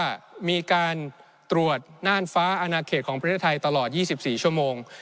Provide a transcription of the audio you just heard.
ว่ามีการตรวจน่านฟ้าอนาเขตของประเทศไทยตลอด๒๔ชั่วโมง